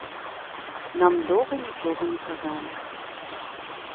Нам доўга нічога не казалі.